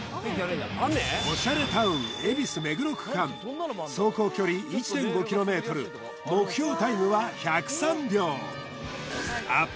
オシャレタウン恵比寿目黒区間走行距離１．５ｋｍ目標タイムは１０３秒アップ